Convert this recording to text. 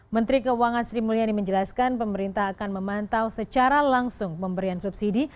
menteri keuangan sri mulyani menjelaskan pemerintah akan memantau secara langsung pemberian subsidi